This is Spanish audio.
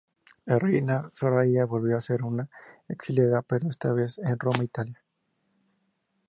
La Reina Soraya volvió a ser una exiliada, pero esta vez en Roma, Italia.